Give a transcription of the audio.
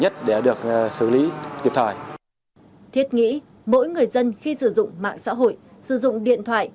thiết nghĩ mỗi người dân khi sử dụng mạng xã hội sử dụng điện thoại